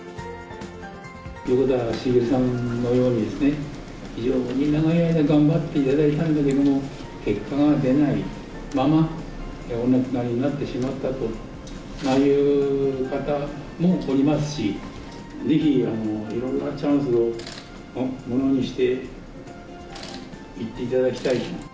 横田滋さんのように、非常に長い間、頑張っていただいたんだけれども、結果が出ないまま、お亡くなりになってしまったと、ああいう方もおりますし、ぜひいろんなチャンスをものにしていっていただきたい。